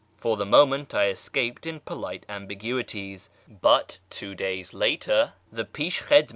For the moment I escaped in polite ambiguities ; but two days later the ^^^sA/t^w?'